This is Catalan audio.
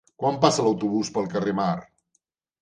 Quan passa l'autobús pel carrer Mar?